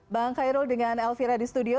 bang khairul dengan elvira di studio